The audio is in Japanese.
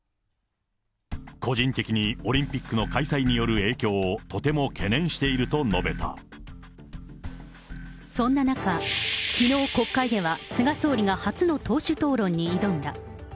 個人的にオリンピックの開催による影響をとても懸念しているそんな中、きのう国会では菅総理が初の党首討論に挑んだ。